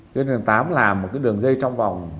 cho nên tám làm một cái đường dây trong vòng